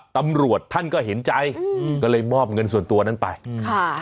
ตำรวจท่านก็เห็นใจอืมก็เลยมอบเงินส่วนตัวนั้นไปอืมค่ะ